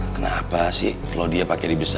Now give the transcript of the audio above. kenapa sih claudia pakai di bunga